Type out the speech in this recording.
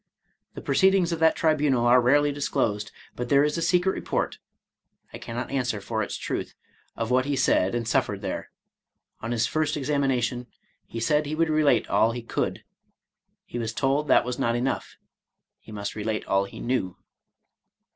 The proceedings of that tribunal are rarely disclosed, but there is a secret report (I cannot answer for its truth) of what he said and suffered there. On his first examina tion, he said he would relate all he could. He was told that was not enough, he must relate all he knew.